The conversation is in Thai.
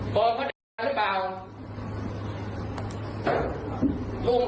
ต้องเปิดไทยกันนะครูว่า